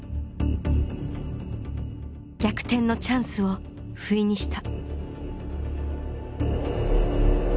逆転のチャンスをふいにした。